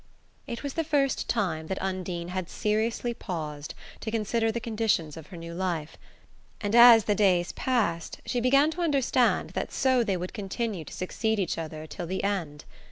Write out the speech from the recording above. It was the first time that Undine had seriously paused to consider the conditions of her new life, and as the days passed she began to understand that so they would continue to succeed each other till the end.